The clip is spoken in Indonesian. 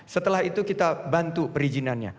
setelah itu kita bantu perizinannya